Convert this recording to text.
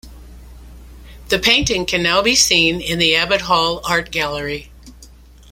The painting can now be seen in the Abbot Hall Art Gallery.